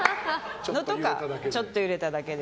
ちょっと揺れただけで。